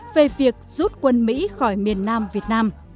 về việc rút quân mỹ khỏi miền nam việt nam